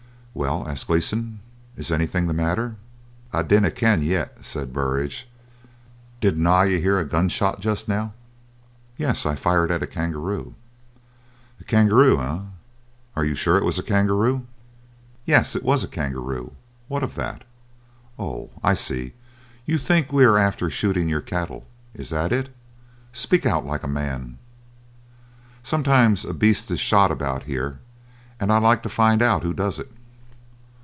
"Well," asked Gleeson, "is anything the matter?" "I dinna ken yet," said Burridge. "Did na ye hear a gunshot just now?" "Yes, I fired at a kangaroo." "A kangaroo, eh? Are you sure it was a kangaroo?" "Yes, it was a kangaroo. What of that? Oh, I see, you think we are after shooting your cattle. Is that it? Speak out like a man." "Sometimes a beast is shot about here, and I'd like to find out who does it."